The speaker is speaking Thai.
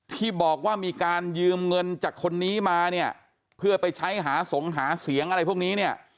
ที่บอกว่ามีการยืมเงินจากคนนี้มาเนี่ยเพื่อไปใช้หาสงหาเสียงอะไรพวกนี้เนี่ย